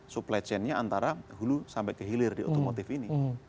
supply chainnya antara hulu sampai kehilir di otomotif ini